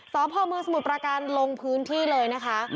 สพเมืองสมุทรประการลงพื้นที่เลยนะคะ